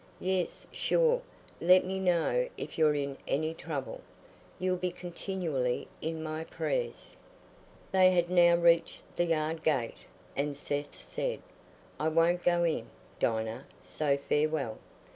"Yes, sure; let me know if you're in any trouble. You'll be continually in my prayers." They had now reached the yard gate, and Seth said, "I won't go in, Dinah, so farewell."